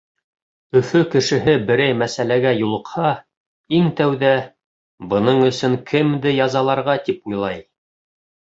Өфө кешеһе, берәй мәсьәләгә юлыҡһа, иң тәүҙә «Бының өсөн кемде язаларға?» тип уйлай.